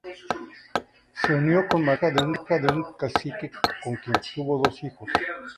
Se unió con María, hija de un cacique, con quien tuvo dos hijos.